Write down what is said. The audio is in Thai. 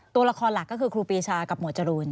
ตัวละครหลักก็คือครูปีชากับหมวดจรูน